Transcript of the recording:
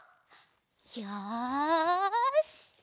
よし！